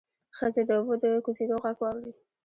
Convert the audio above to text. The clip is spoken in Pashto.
ښځې د اوبو د کوزېدو غږ واورېد.